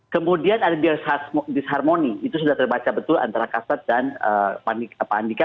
kemudian ada disharmoni itu sudah terbaca betul antara kasat dan pak andika